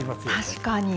確かに。